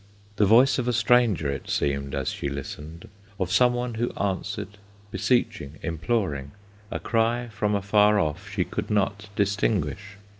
The voice of a stranger It seemed as she listened, Of some one who answered, Beseeching, imploring, A cry from afar off She could not distinguish.